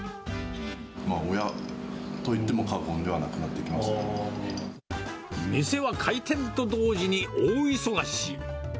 親といっても過言ではなくな店は開店と同時に大忙し。